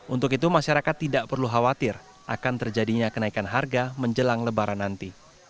untuk itu masyarakat tidak perlu khawatir akan terjadinya kenaikan harga menjelang lebaran nanti